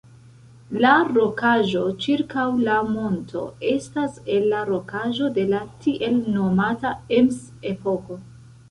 La rokaĵo ĉirkaŭ la monto estas el la rokaĵo de la tiel nomata "Ems-epoko".